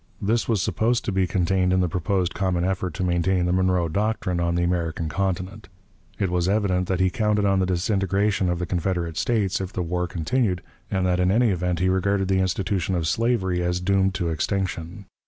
This was supposed to be contained in the proposed common effort to maintain the 'Monroe doctrine' on the American Continent. It was evident that he counted on the disintegration of the Confederate States if the war continued, and that in any event he regarded the institution of slavery as doomed to extinction.